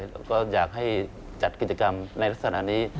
เราก็อยากให้จัดกิจกรรมในลักษณะนี้